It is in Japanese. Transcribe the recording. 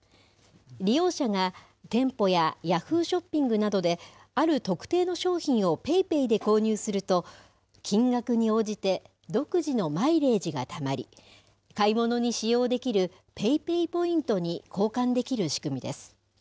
利用者が店舗やヤフーショッピングなどで、ある特定の商品をＰａｙＰａｙで購入すると、金額に応じて独自のマイレージがたまり、買い物に使用できるＰａｙＰａｙポイントに交換できる仕組みです。